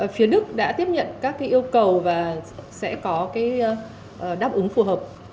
phía đức đã tiếp nhận các yêu cầu và sẽ có đáp ứng phù hợp